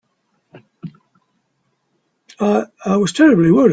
I—I was terribly worried.